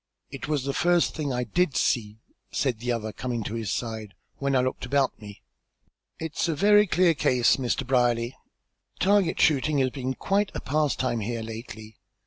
"It was the first thing I did see," said the other, coming to his side, "when I looked about me. It's a very clear case, Mr. Brierly. Target shooting has been quite a pastime here lately.